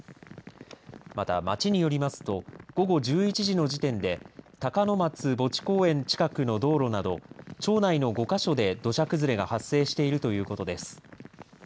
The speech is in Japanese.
また、町によりますと午後１１時の時点で鷹の松墓地公園近くの道路など町内の５か所で土砂崩れが発生しているということです。